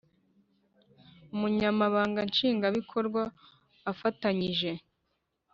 Umunyamabanga Nshingwabikorwa afatanyije